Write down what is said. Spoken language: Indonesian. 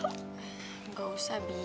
enggak usah bibi